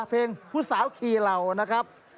เพลงผู้สาวคีเหล่านะครับ